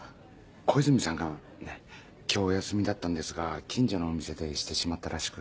小泉さんがね。今日お休みだったんですが近所のお店でしてしまったらしく。